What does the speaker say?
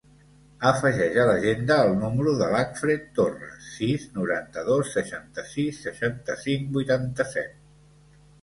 Afegeix a l'agenda el número de l'Acfred Torra: sis, noranta-dos, seixanta-sis, seixanta-cinc, vuitanta-set.